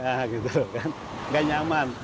nah gitu kan nggak nyaman